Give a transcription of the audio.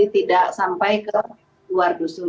tidak sampai ke luar dusun